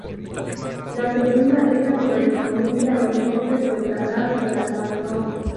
La segunda es la correspondiente a los bosques del talar de albardón.